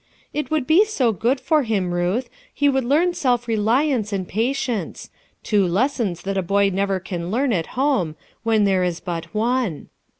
"It would be so good for him, Ruth ; he would learn self reliance and patience; two lessons that a boy never can learn at home, when there is but one."